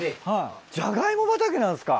じゃがいも畑なんですか！